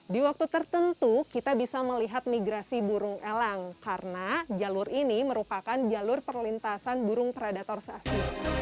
di waktu tertentu kita bisa melihat migrasi burung elang karena jalur ini merupakan jalur perlintasan burung predator sasi